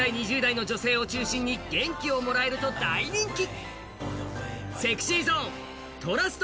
１０代、２０代の女性を中心に元気をもらえると大人気。